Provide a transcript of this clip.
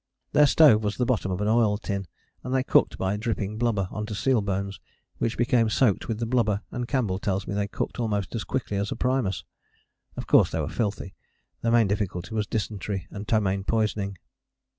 Their stove was the bottom of an oil tin, and they cooked by dripping blubber on to seal bones, which became soaked with the blubber, and Campbell tells me they cooked almost as quickly as a primus. Of course they were filthy. Their main difficulty was dysentery and ptomaine poisoning.